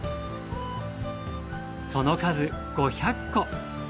その数５００個。